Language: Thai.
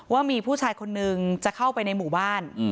ว่ามีผู้ชายคนนึงจะเข้าไปในหมู่บ้าน